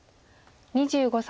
２５歳。